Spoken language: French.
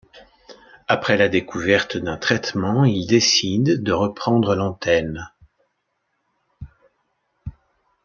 Après la découverte d'un traitement, il décide de reprendre l'antenne.